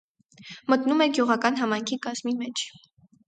Մտնում է գյուղական համայնքի կազմի մեջ։